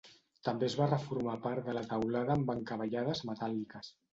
També es va reformar part de la teulada amb encavallades metàl·liques.